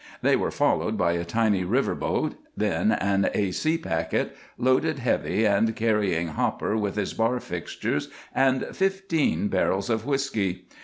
They were followed by a tiny river boat, then an A. C. packet, loaded heavy and carrying Hopper with his bar fixtures and fifteen barrels of whisky.